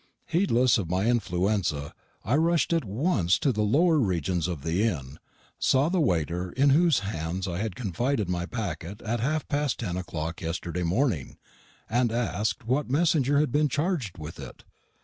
Heedless of my influenza, I rushed at once to the lower regions of the inn, saw the waiter into whose hands I had confided my packet at half past ten o'clock yesterday morning, and asked what messenger had been charged with it.